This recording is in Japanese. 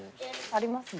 ありますね。